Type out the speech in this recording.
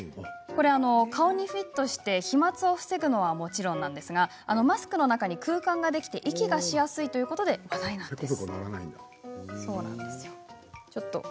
顔にフィットして飛まつを防ぐのは、もちろんマスクの中に空間ができて息がしやすいと話題なんです。